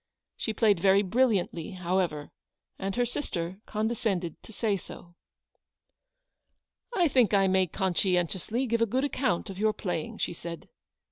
She played very brilliantly, however, and her sister condescended to say so. "I think I may conscientiously give a good account of your playing," she said.